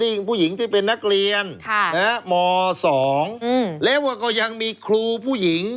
นี่ผู้หญิงที่เป็นนักเรียนม๒แล้วก็ยังมีครูผู้หญิง